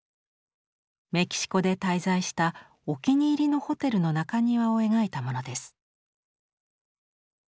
メキシコで滞在したお気に入りのホテルの中庭を描いたものです。